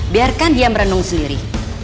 biarkan dia merenung sendiri